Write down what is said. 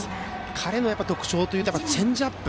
彼の特徴といったらチェンジアップ。